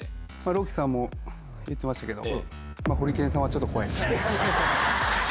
朗希さんも言ってましたけど。